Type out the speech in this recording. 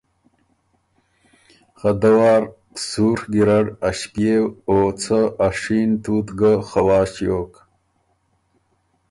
خه دۀ وار سُوڒ کیرډ ا ݭپئېو او څه ا شین تُوت ګۀ خوا ݭیوک۔